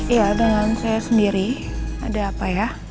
iya dengan saya sendiri ada apa ya